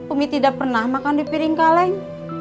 umi tidak pernah makan di piring kaleng